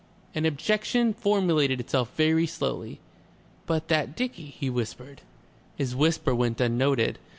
An objection formulated itself very slowly. "But that dicky," he whispered. His whisper went unnoted.